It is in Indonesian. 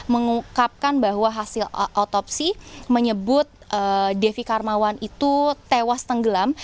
mengungkapkan bahwa hasil otopsi menyebut devi karmawan itu tewas tenggelam